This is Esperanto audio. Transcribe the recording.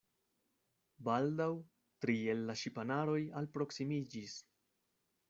Baldaŭ tri el la ŝipanaro alproksimiĝis.